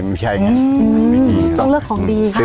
มันจะอืมต้องเลือกของดีครับ